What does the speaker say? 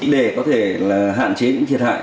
để có thể hạn chế những thiệt hại